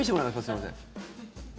すみません。